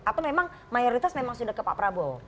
atau memang mayoritas memang sudah ke pak prabowo